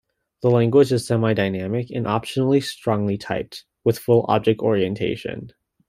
The language is semi-dynamic, and optionally strongly typed, with full object orientation.